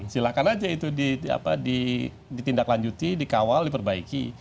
silahkan aja itu ditindaklanjuti dikawal diperbaiki